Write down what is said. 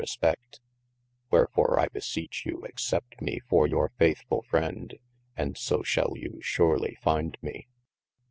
J. respect : wherfore I beseech you accept me for your faithfull Ju&ady. and so shall you surely finde me.